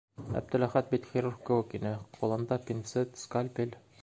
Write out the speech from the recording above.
Әптеләхәт бит хирург кеүек ине: ҡулында - пинцет, скальпель.